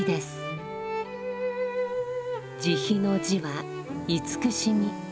慈悲の「慈」は慈しみ。